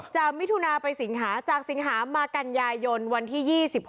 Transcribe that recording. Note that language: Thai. มิถุนาไปสิงหาจากสิงหามากันยายนวันที่๒๖